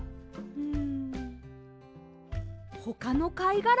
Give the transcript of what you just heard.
うん！